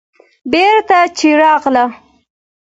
بېرته چې راغله.